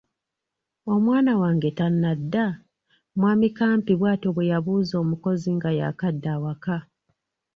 “Omwana wange tannadda? ” mwami Kampi bw’atyo bwe yabuuza omukozi nga yaakadda awaka.